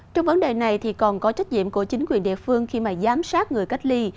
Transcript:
trong vấn đề này thì còn có trách nhiệm của chính quyền địa phương khi mà giám sát người cách ly